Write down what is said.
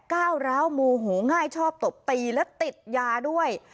ก้าวร้าวโมโหง่ายชอบตบตีและติดยาด้วย